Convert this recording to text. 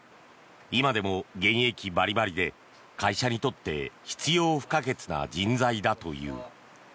今でも現役バリバリで会社にとって必要不可欠な人材だという。